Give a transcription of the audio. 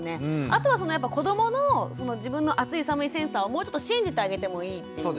あとはそのやっぱ子どもの自分の暑い寒いセンサーをもうちょっと信じてあげてもいいっていう。